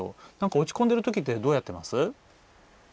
落ち込んでるときってどうやってます？